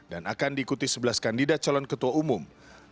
akan diikuti sebelas kandidat calon ketua umum